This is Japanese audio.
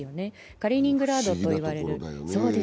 カリーニングラード州と言われる。